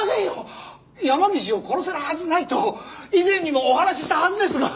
山岸を殺せるはずないと以前にもお話ししたはずですが。